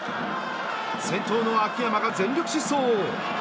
先頭の秋山が全力疾走。